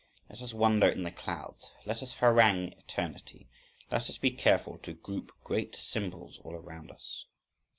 Let us wander in the clouds, let us harangue eternity, let us be careful to group great symbols all around us!